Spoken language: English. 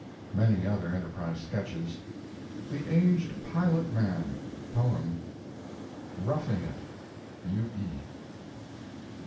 Many other Enterprise sketches. THE AGED PILOT MAN (poem) "ROUGHING IT." U. E.